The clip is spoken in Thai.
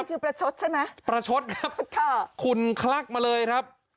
คือประชดใช่ไหมประชดครับค่ะคุณคลักมาเลยครับ